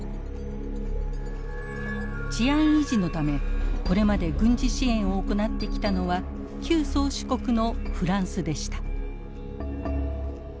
治安維持のためこれまで軍事支援を行ってきたのは旧宗主国のフランスでした。